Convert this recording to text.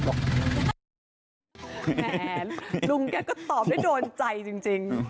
ตอบได้โดนใจจริง